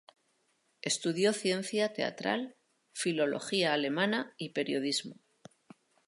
Estudió ciencia teatral, filología alemana y periodismo.